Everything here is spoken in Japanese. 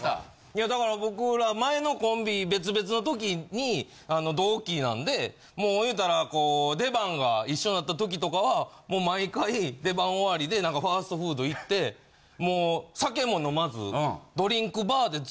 いやだから僕ら前のコンビ別々の時にあの同期なんでもう言うたらこう出番が一緒になった時とかは毎回出番終わりで何かファーストフード行ってもう酒も飲まず。